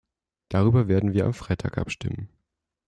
Darüber werden wir am Freitag abstimmen.